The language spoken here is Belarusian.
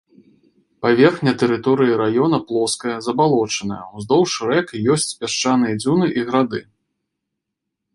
Паверхня тэрыторыі раёна плоская, забалочаная, уздоўж рэк ёсць пясчаныя дзюны і грады.